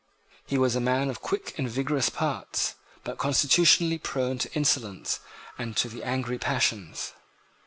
He was a man of quick and vigorous parts, but constitutionally prone to insolence and to the angry passions.